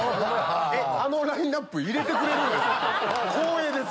あのラインアップ入れてくれる⁉光栄です